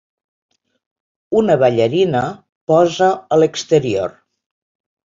Una ballarina posa a l'exterior.